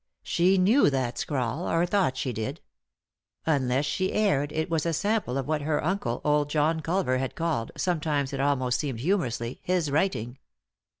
She knew that scrawl, or thought she did. Unless site erred it was a sample of what her uncle, old John Culver, had called, sometimes it almost seemed humorously, his writing.